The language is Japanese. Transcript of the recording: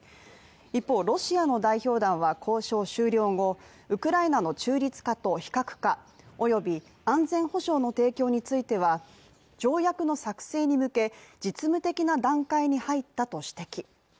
一方、ロシアの代表団は交渉終了後ウクライナの中立化と非核化、および安全保障の提供については条約の作成に向け実務的な段階に入ったと指摘。